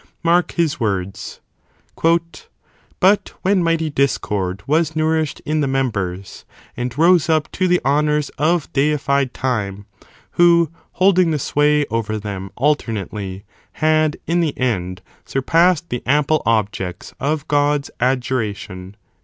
Mark his words :—" But when mighty discord' was nourished in the members. And rose up to the honours of deified Time, who, holding The sway over them alternately, had, in the end, Surpassed the ample objects of Gk>d's adjuration."